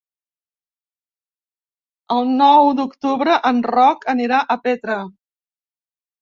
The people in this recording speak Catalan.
El nou d'octubre en Roc anirà a Petra.